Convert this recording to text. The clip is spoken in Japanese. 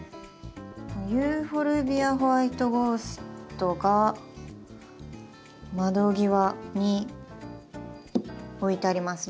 ユーフォルビア・ホワイトゴーストが窓際に置いてあります。